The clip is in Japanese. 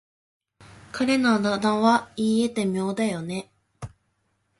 彼のあだ名は言い得て妙だよね。